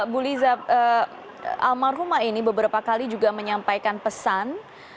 bu liza almarhumah ini beberapa kali juga menyampaikan pesan